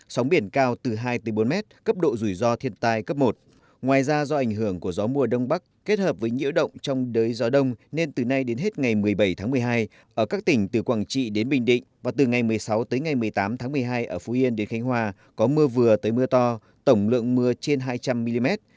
sóng biển cao từ hai bốn m cấp độ rủi ro thiên tai cấp một ngoài ra do ảnh hưởng của gió mùa đông bắc kết hợp với nhiễu động trong đới gió đông nên từ nay đến hết ngày một mươi bảy tháng một mươi hai ở các tỉnh từ quảng trị đến bình định và từ ngày một mươi sáu tới ngày một mươi tám tháng một mươi hai ở phú yên đến khánh hòa có mưa vừa tới mưa to tổng lượng mưa trên hai trăm linh mm